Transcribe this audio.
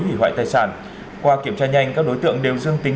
hủy hoại tài sản qua kiểm tra nhanh các đối tượng đều dương tính